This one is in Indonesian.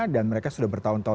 dan mereka sudah bertahun tahun